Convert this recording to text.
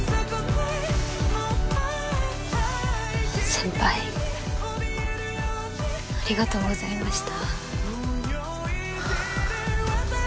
先輩ありがとうございました